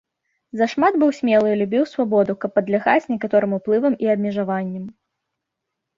Зашмат быў смелы і любіў свабоду, каб падлягаць некаторым уплывам і абмежаванням.